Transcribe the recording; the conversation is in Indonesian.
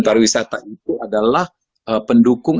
pariwisata itu adalah pendukung